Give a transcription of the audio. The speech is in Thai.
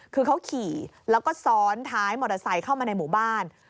คือเขาขี่แล้วก็ซ้อนท้ายมอเตอร์ไซค์เข้ามาในหมู่บ้าน